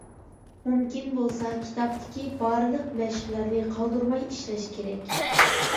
مۇمكىن بولسا كىتابتىكى بارلىق مەشىقلەرنى قالدۇرماي ئىشلەش كېرەك.